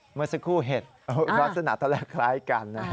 เหมือนสักครู่เห็ดลักษณะทั้งแหละคล้ายกันนะ